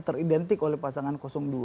teridentik oleh pasangan dua